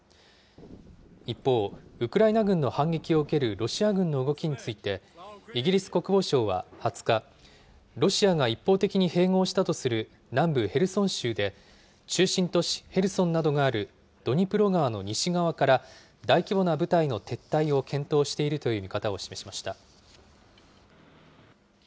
一方、ウクライナ軍の反撃を受けるロシア軍の動きについて、イギリス国防省は２０日、ロシアが一方的に併合したとする南部ヘルソン州で、中心都市ヘルソンなどがあるドニプロ川の西側から、大規模な部隊の撤退を検討しているという見方を示しました。